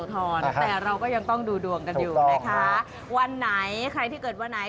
แต่เราก็ยังต้องดูดวงกันอยู่นะคะวันไหนใครที่เกิดวันไหน